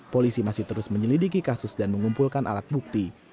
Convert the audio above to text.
polisi masih terus menyelidiki kasus dan mengumpulkan alat bukti